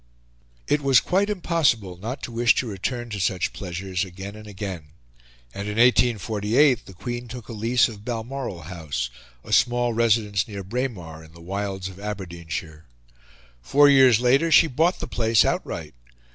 It was quite impossible not to wish to return to such pleasures again and again; and in 1848 the Queen took a lease of Balmoral House, a small residence near Braemar in the wilds of Aberdeenshire. Four years later she bought the place outright.